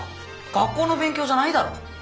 学校の勉強じゃないだろ。